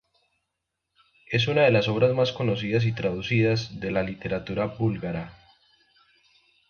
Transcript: Es una de las obras más conocidas y traducidas de la literatura búlgara.